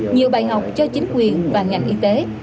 nhiều bài học cho chính quyền và ngành y tế